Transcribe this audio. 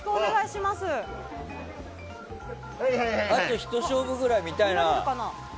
あとひと勝負ぐらい見たいな。